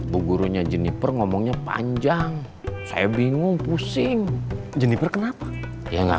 bu gurunya jenipers ngomongnya panjang saya bingung pusing jenipers kenapa ya nggak